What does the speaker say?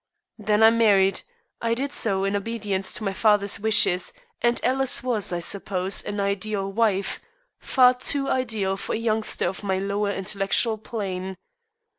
Then I married. I did so in obedience to my father's wishes, and Alice was, I suppose, an ideal wife far too ideal for a youngster of my lower intellectual plane.